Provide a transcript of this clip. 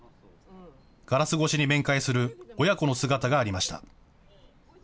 ガラス越しに面会する親子の姿がありました。